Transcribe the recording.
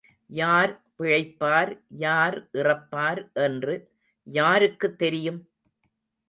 யார் பிழைப்பார் யார் இறப்பார் என்று யாருக்குத் தெரியும்?